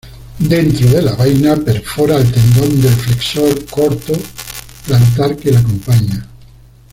Dentro de la vaina perfora al tendón del flexor corto plantar que le acompaña.